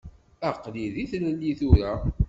Aql-i d ilelli tura.